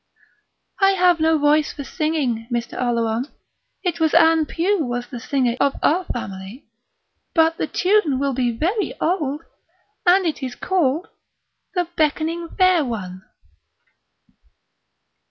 "I have no voice for singing, Mr. Oleron; it was Ann Pugh was the singer of our family; but the tune will be very o ald, and it is called 'The Beckoning Fair One.'"